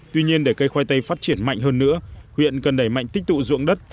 tuy nhiên để cây khoai tây phát triển mạnh hơn nữa huyện cần đẩy mạnh tích tụ dụng đất